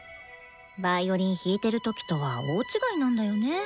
ヴァイオリン弾いてる時とは大違いなんだよね。